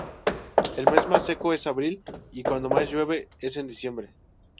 El mes más seco es abril y cuando más llueve es en diciembre.